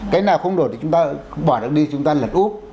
cái nào không đổ thì chúng ta bỏ được đi chúng ta lật úp